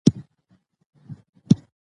مجهول ماضي فاعل پټوي.